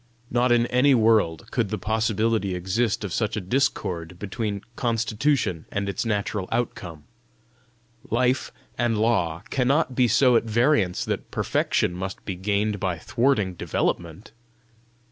Not in any world could the possibility exist of such a discord between constitution and its natural outcome! Life and law cannot be so at variance that perfection must be gained by thwarting development!